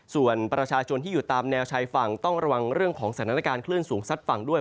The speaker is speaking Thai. ส่วนประชาชนที่อยู่ตามแนวชายฝั่งต้องระวังเรื่องของสถานการณ์คลื่นสูงซัดฝั่งด้วย